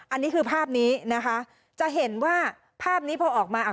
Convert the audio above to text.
อันนี้คือภาพนี้นะคะจะเห็นว่าภาพนี้พอออกมา